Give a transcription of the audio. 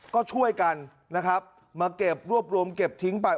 ก็ช่วยกันมารวบรวมเก็บทิ้งไป